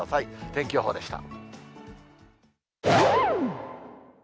天気予報でした。